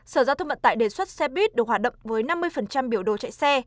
sở giao thông vận tải đề xuất xe buýt được hoạt động với năm mươi biểu đồ chạy xe